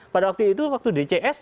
pada waktu itu waktu dcs